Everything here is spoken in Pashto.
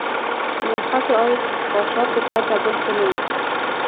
له خټو او خاشاکو پرته بل څه نه و.